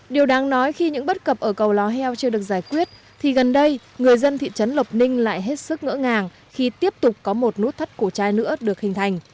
điều đáng nói khi những bất cập ở cầu lò heo chưa được giải quyết thì gần đây người dân thị trấn lộc ninh lại hết sức ngỡ ngàng khi tiếp tục có một nút thắt cổ trai nữa được hình thành